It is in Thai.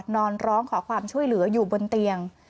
นอนร้องขอความช่วยเหลืออยู่บนเตียง